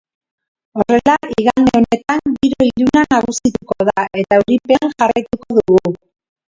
Horrela, igande honetan giro iluna nagusituko da eta euripean jarraituko dugu.